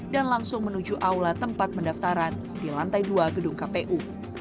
dan langsung menuju aula tempat mendaftaran di lantai dua gedung kpu